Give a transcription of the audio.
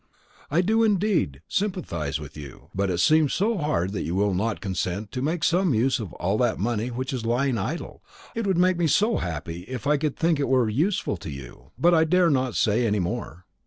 "I do indeed sympathise with you; but it seems so hard that you will not consent to make some use of all that money which is lying idle. It would make me so happy if I could think it were useful to you; but I dare not say any more.